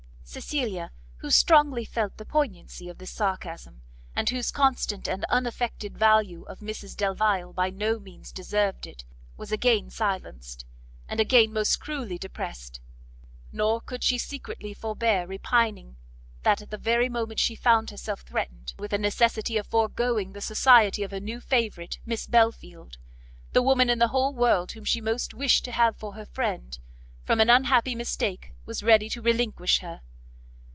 Cecilia, who strongly felt the poignancy of this sarcasm, and whose constant and unaffected value of Mrs Delvile by no means deserved it, was again silenced, and again most cruelly depressed; nor could she secretly forbear repining that at the very moment she found herself threatened with a necessity of foregoing the society of her new favourite, Miss Belfield, the woman in the whole world whom she most wished to have for her friend, from an unhappy mistake was ready to relinquish her.